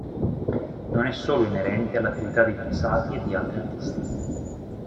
Non è solo inerente all'attività di Luzzati e di altri artisti.